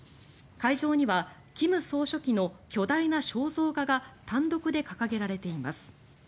会場には金総書記の巨大な肖像画が単独で掲げられています。